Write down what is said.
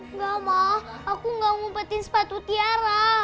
enggak ma aku gak umpetin sepatu tiara